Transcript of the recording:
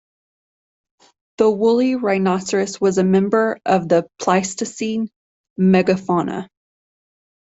The woolly rhinoceros was a member of the Pleistocene megafauna.